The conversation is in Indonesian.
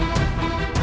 ini hidup ayahmu